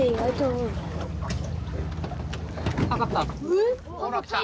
えっ！？